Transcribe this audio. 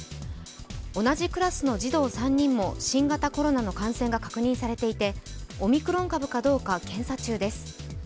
同じクラスの児童３人も新型コロナの感染が確認されていてオミクロン株かどうか検査中です。